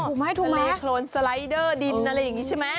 ถูกไหมถูกเลขโครนสไลด์เดอร์ดินอะไรอย่างนี้ใช่ไหม